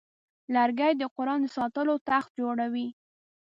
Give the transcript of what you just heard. لرګی د قرآن د ساتلو تخت جوړوي.